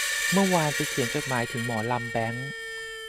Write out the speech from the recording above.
เมื่อวานไปเขียนจดหมายถึงหมอลำแบงค์